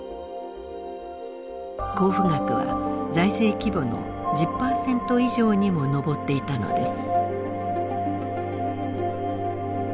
交付額は財政規模の１０％以上にも上っていたのです。